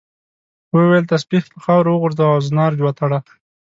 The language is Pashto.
وویل تسبیح په خاورو وغورځوه او زنار وتړه.